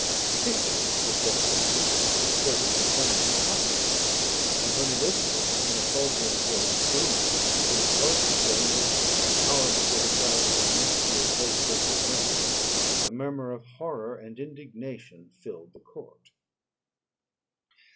The picture was then produced, which the servant had found in her pocket; and when Elizabeth, in a faltering voice, proved that it was the same which, an hour before the child had been missed, she had placed round his neck, a murmur of horror and indignation filled the court.